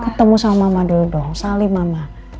ketemu sama mama dulu dong saling mama